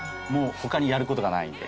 他にやる事がないので。